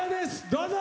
どうぞ！